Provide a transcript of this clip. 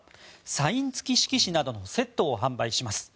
サイン付き色紙などのセットを販売します。